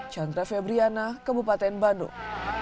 chandra febriana kabupaten bandung